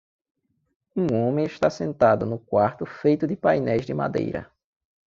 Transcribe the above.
Um homem está sentado no quarto feito de painéis de madeira.